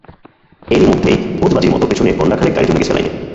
এরই মধ্যেই ভোজবাজির মতো পেছনে গন্ডা খানেক গাড়ি জমে গেছে লাইনে।